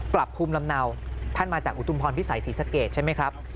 กลับภูมิลำเนาท่านมาจากอุทุมพรพิสัยศรีสะเกดใช่ไหมครับ